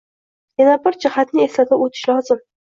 Yana bir jihatni eslatib o‘tish lozim.